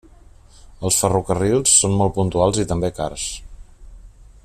Els ferrocarrils són molt puntuals i també cars.